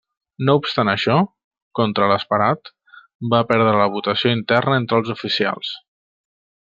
No obstant això, contra l'esperat, va perdre la votació interna entre els oficials.